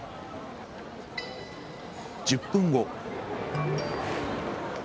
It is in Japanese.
１０分後。